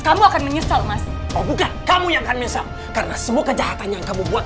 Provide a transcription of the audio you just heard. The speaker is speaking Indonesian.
kamu akan menyesal mas oh bukan kamu yang akan menyesal karena semua kejahatan yang kamu buat